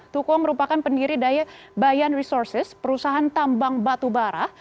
tukwong merupakan pendiri daya bayan resources perusahaan tambang batu bara